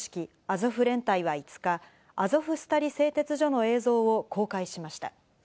アゾフ連隊は５日、アゾフスタリ製鉄所の映像を公開しました。